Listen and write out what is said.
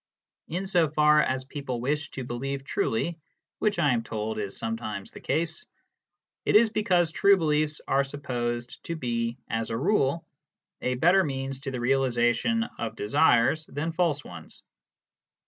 In so far as people wish to believe truly (which I am told is sometimes the case), it is because true beliefs are supposed to be, as a. rule, a better means to the realisation of desires than false ones.